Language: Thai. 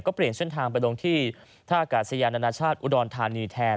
ก็เปลี่ยนเส้นทางไปลงที่ท่ากาศยานานาชาติอุดรธานีแทน